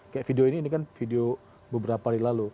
kayak video ini ini kan video beberapa hari lalu